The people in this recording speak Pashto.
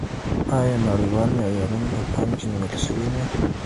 آیا نړیوال معیارونه په پام کي نیول شوي دي؟